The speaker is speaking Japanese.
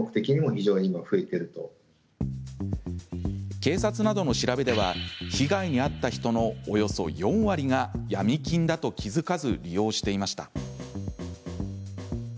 警察などの調べでは被害に遭った人のおよそ４割がヤミ金だと気付かず利用していました。